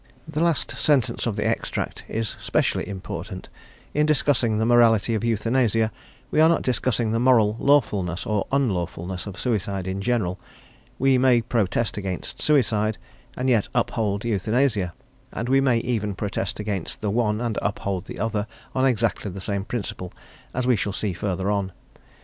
The last sentence of the extract is specially important; in discussing the morality of euthanasia we are not discussing the moral lawfulness or unlawfulness of suicide in general; we may protest against suicide, and yet uphold euthanasia, and we may even protest against the one and uphold the other, on exactly the same principle, as we shall see further on.